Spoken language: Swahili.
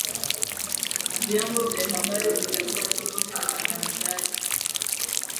vyombo vya habari vitakuwa chombo cha ukandamizaji